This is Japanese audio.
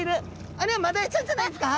あれはマダイちゃんじゃないですか？